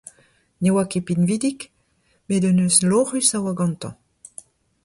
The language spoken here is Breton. Ne oa ket pinvidik, met un neuz loc'hus a oa gantañ.